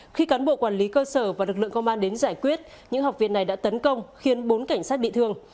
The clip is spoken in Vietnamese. khi cán bộ quản lý cơ sở và lực lượng công an đến giải quyết những học viên này đã tấn công khiến bốn cảnh sát bị thương